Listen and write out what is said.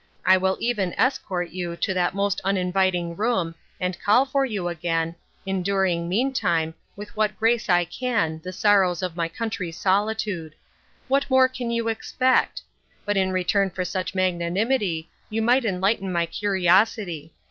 I will even escort you to that most uninviting room' and call for you again, enduring, meantime, with what grace I can the sorrows of my country solitude. What more can you expect? But in return for such magnanimity you might enlighten my curiosity.